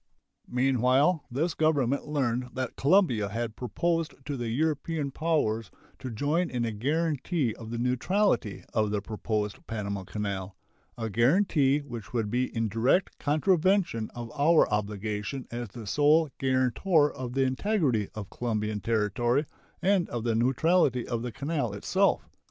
Meanwhile this Government learned that Colombia had proposed to the European powers to join in a guaranty of the neutrality of the proposed Panama canal a guaranty which would be in direct contravention of our obligation as the sole guarantor of the integrity of Colombian territory and of the neutrality of the canal itself.